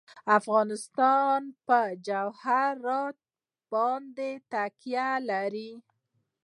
افغانستان په جواهرات باندې تکیه لري.